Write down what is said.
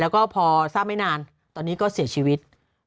แล้วก็พอทราบไม่นานตอนนี้ก็เสียชีวิต